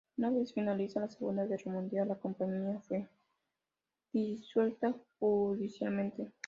Una vez finalizada la Segunda Guerra Mundial, la compañía fue disuelta judicialmente.